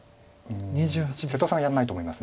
瀬戸さんはやらないと思います。